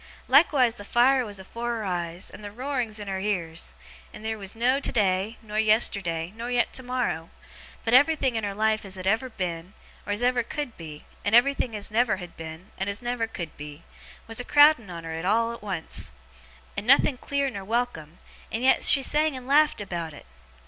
Likewise the fire was afore her eyes, and the roarings in her ears; and theer was no today, nor yesterday, nor yet tomorrow; but everything in her life as ever had been, or as ever could be, and everything as never had been, and as never could be, was a crowding on her all at once, and nothing clear nor welcome, and yet she sang and laughed about it!